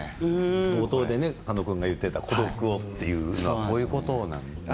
冒頭で狩野君が言っていた孤独というのはこういうことなんですね。